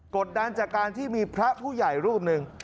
กดดันจากการที่มีพระผู้ใหญ่รูปหนึ่ง